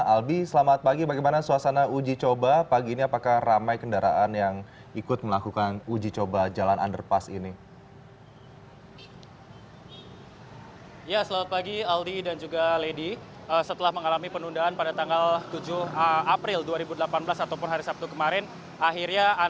albi selamat pagi bagaimana suasana uji coba pagi ini apakah ramai kendaraan yang ikut melakukan uji coba jalan underpass ini